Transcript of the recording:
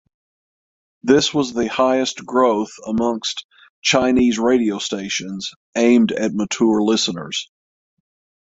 This was the highest growth amongst Chinese radio stations aimed at mature listeners.